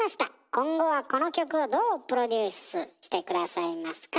今後はこの曲をどうプロデュースして下さいますか？